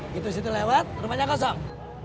gitu situ lewat rumahnya kosong